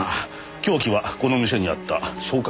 凶器はこの店にあった消火器です。